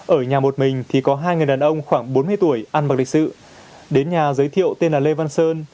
ở nhà một mình thì có hai người đàn ông khoảng bốn mươi tuổi ăn bờ lịch sự đến nhà giới thiệu tên là lê văn sơn